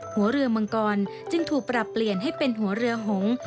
หัวเรือมังกรจึงถูกปรับเปลี่ยนให้เป็นหัวเรือหงษ์